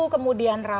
kemudian kita berharap